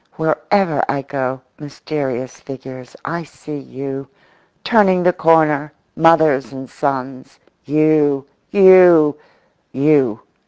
Wherever I go, mysterious figures, I see you, turning the corner, mothers and sons; you, you, you.